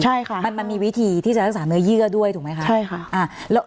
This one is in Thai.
ใช่ค่ะมันมันมีวิธีที่จะรักษาเนื้อเยื่อด้วยถูกไหมคะใช่ค่ะ